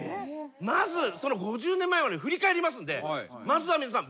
まずその５０年前を振り返りますんでまずは皆さん。